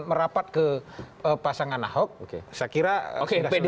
merapat ke pasangan ahok saya kira sudah selesai